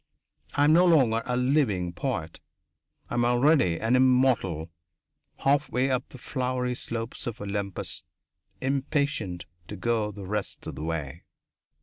I am no longer a living poet. I am already an immortal halfway up the flowery slopes of Olympus, impatient to go the rest of the way.